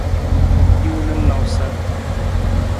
Hiwung na nawusa.